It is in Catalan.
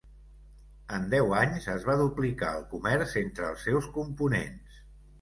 En deu anys es va duplicar el comerç entre els seus components.